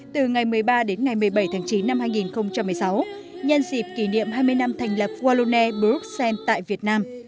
từ ngày một mươi ba đến ngày một mươi bảy tháng chín năm hai nghìn một mươi sáu nhân dịp kỷ niệm hai mươi năm thành lập wallone bruxelles tại việt nam